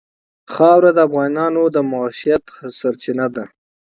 خاوره د افغانانو د معیشت سرچینه ده.